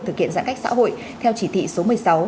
thực hiện giãn cách xã hội theo chỉ thị số một mươi sáu